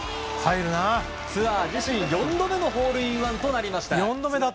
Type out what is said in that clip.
ツアー、自身４度目のホールインワンとなりました。